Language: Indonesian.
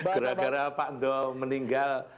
gara gara pak do meninggal